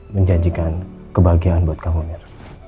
menjanjikan kebahagiaan buat kamu mir